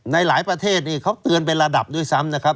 ในหลายประเทศนี่เขาเตือนเป็นระดับด้วยซ้ำนะครับ